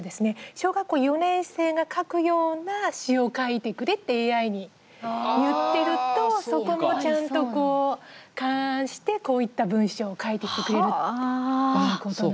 「小学校４年生が書くような詩を書いてくれ」ってＡＩに言ってるとそこもちゃんと勘案してこういった文章を書いてきてくれるということなんです。